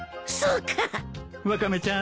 ワカメちゃん